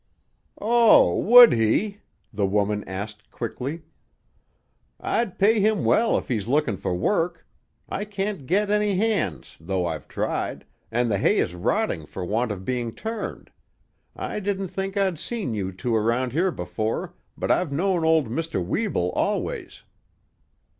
"Oh, would he?" the woman asked quickly. "I'd pay him well if he's looking for work; I can't get any hands, though I've tried, and the hay is rotting for want of being turned. I didn't think I'd seen you two around here before, but I've known old Mr. Weeble always."